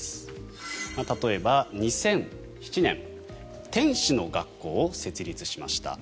例えば、２００７年天使の学校を設立しました。